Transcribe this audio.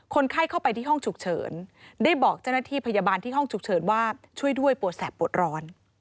คนไข้เข้าไปที่ห้องฉุกเฉินได้บอกเจ้าหน้าที่พยาบาลที่ห้องฉุกเฉินว่าช่วยด้วยปวดแสบปวดร้อน